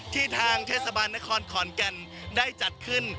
ทางเทศบาลนครขอนแก่นได้จัดขึ้น